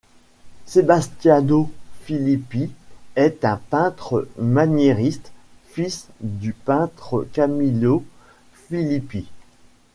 Sebastiano Filippi est un peintre maniériste, fils du peintre Camillo Filippi.